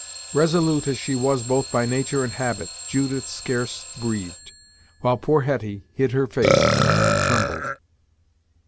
Resolute as she was both by nature and habit, Judith scarce breathed, while poor Hetty hid her face and trembled.